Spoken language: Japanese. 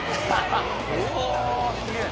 うおすげえ。